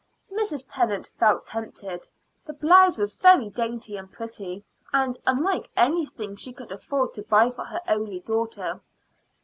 Mrs. Tennant felt tempted. The blouse was very dainty and pretty, and unlike anything she could afford to buy for her only daughter.